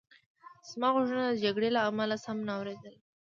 زما غوږونو د جګړې له امله سم نه اورېدل